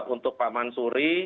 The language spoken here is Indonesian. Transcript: untuk pak mansuri